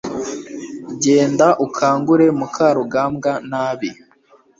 genda ukangure mukarugambwa nabi